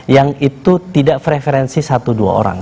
yang itu tidak preferensi satu dua orang